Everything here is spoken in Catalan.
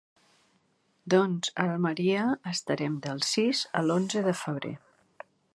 Doncs a Almeria estarem del sis a l'onze de Febrer.